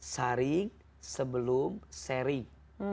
sharing sebelum sharing